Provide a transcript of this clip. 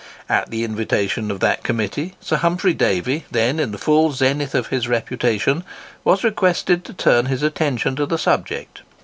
At the invitation of that Committee, Sir Humphry Davy, then in the full zenith of his reputation, was requested to turn his attention to the subject.